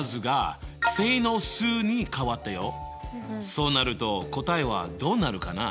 そうなると答えはどうなるかな？